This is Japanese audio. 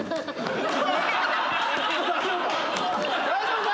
大丈夫か！？